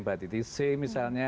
bati tisi misalnya